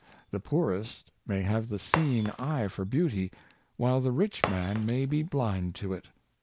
The poorest may have the seeing eye for beauty, while the rich man may be blind to it.